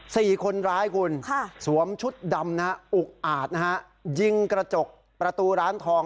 สี่คนร้ายคุณค่ะสวมชุดดำนะฮะอุกอาจนะฮะยิงกระจกประตูร้านทอง